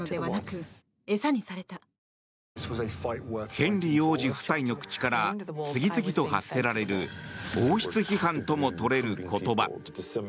ヘンリー王子夫妻の口から次々と発せられる王室批判ともとれる言葉。